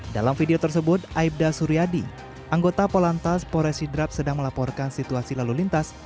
dalam video tersebut aibda suryadi anggota polantas pores sidrap sedang melaporkan situasi lalu lintas